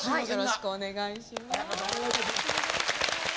よろしくお願いします。